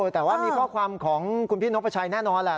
แต่ว่ามีข้อความของคุณพี่นกประชัยแน่นอนแหละ